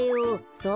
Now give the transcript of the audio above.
そう。